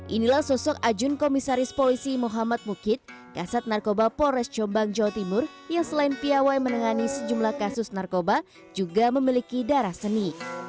inilah sosok ajun komisaris polisi muhammad mukid kasat narkoba polres jombang jawa timur yang selain piawai menengani sejumlah kasus narkoba juga memiliki darah seni